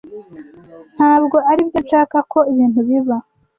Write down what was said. Ntabwo aribyo nshaka ko ibintu biba.